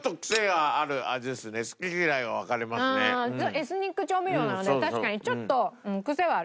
エスニック調味料なので確かにちょっとクセはある。